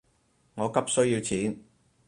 我急需要錢